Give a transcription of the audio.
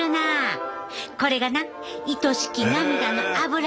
これがな愛しき涙のアブラやで。